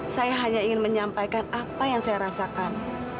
saya hanya ingin menyampaikan apa yang saya rasakan